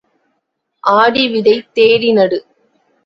ஆடி விதை தேடி நடு.